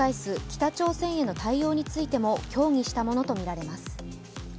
北朝鮮への対応についても協議したものとみられます。